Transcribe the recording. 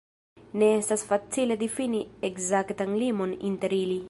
Ne estas facile difini ekzaktan limon inter ili.